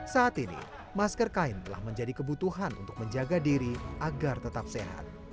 saat ini masker kain telah menjadi kebutuhan untuk menjaga diri agar tetap sehat